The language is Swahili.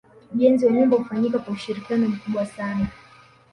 Ujenzi wa nyumba hufanyika kwa ushirikiano mkubwa sana